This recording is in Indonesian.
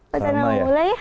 baca naura ya